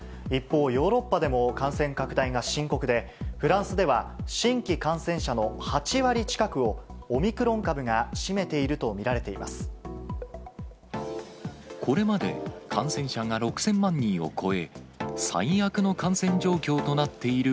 一方、ヨーロッパでも感染拡大が深刻で、フランスでは、新規感染者の８割近くをオミクロン株が占めていると見られていまこれまで感染者が６０００万人を超え、